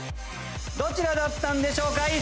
どちらだったんでしょうか？